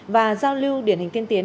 và giao lưu điển hình tiên tiến